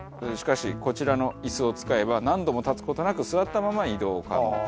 しかしこちらの椅子を使えば何度も立つ事なく座ったまま移動可能。